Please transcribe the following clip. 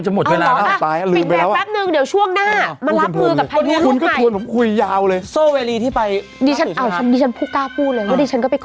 อ๋อหนุ่มมี